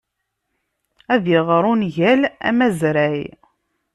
Ad iɣer ungal amezray.